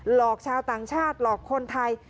หลอกชาวต่างชาติหลอกคนไทย